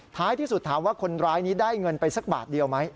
ท้ายที่สุดถามว่าคนร้ายนี้ได้เงินไปสักบาทเดียวไหม